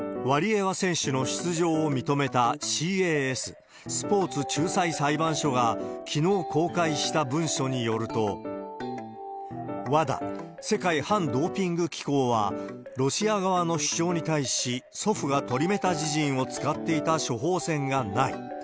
ワリエワ選手の出場を認めたＣＡＳ・スポーツ仲裁裁判所はきのう公開した文書によると、ＷＡＤＡ・世界反ドーピング機構は、ロシア側の主張に対し、祖父がトリメタジジンを使っていた処方箋がない。